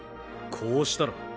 こうしたら？